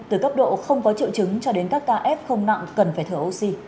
từ cấp độ không có triệu chứng cho đến các kf nặng cần phải thử oxy